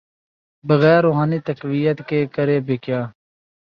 بغیر روحانی تقویت کے، کرے بھی کیا۔